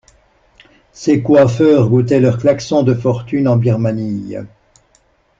Ces coiffeurs goûtaient leur klaxon de fortune en Birmanie.